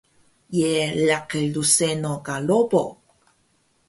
Ye laqi rseno ka Robo?